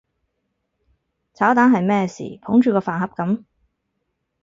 炒蛋係咩事捧住個飯盒噉？